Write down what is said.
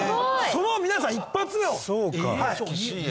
それを皆さん１発目を。